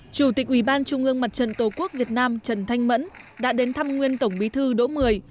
chủ tịch ubnd tổ quốc việt nam trần thanh mẫn đã đến thăm nguyên tổng bí thư đỗ mười